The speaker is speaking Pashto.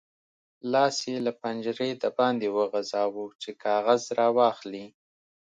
لاس یې له پنجرې د باندې وغځاوو چې کاغذ راواخلي.